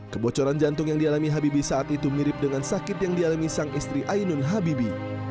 kebocoran jantung yang dialami habibi saat itu mirip dengan sakit yang dialami sang istri ainun habibi